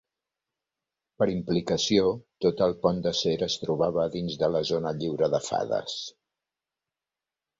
Per implicació, tot el pont d'acer es trobava dins de la zona lliure de fades.